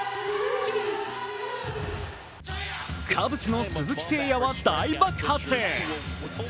カブスの鈴木誠也は大爆発。